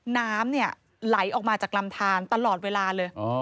น้ำเนี่ยไหลออกมาจากลำทานตลอดเวลาเลย